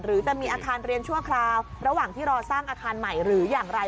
หรือจะมีอาคารเรียนชั่วคราวระหว่างที่รอสร้างอาคารใหม่หรืออย่างไร